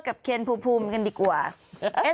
พอแล้วคุณแม่